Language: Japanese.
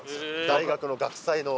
大学の学祭の。